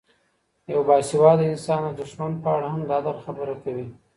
یو باسواده انسان د دښمن په اړه هم د عدل خبره کوي.